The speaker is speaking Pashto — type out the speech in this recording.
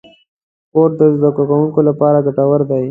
کورس د زدهکوونکو لپاره ګټور دی.